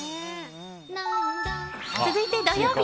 続いて土曜日。